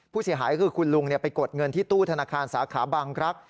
ผู้เสียหายคือคุณลุงไปกดเงินที่ตู้ธนาคารสาขาบางรักษ